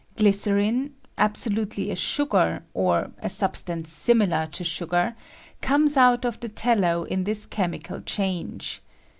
Glycerin — absolutely a sugar, or a substance similar to sngar — comes out of the tallow in this chemical change.